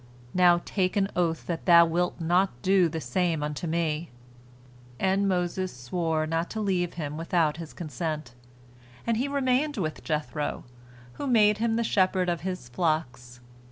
Now take an oath that thou wilt not do the same unto me," and Moses swore not to leave him without his consent, and he remained with Jethro, who made him the shepherd of his flocks.